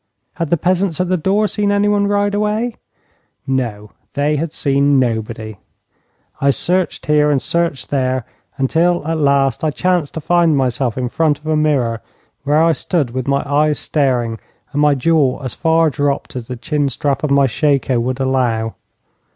Had the peasants at the door seen anyone ride away? No, they had seen nobody. I searched here and searched there, until at last I chanced to find myself in front of a mirror, where I stood with my eyes staring and my jaw as far dropped as the chin strap of my shako would allow.